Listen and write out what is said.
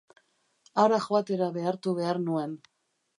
Hara joatera behartu behar nuen.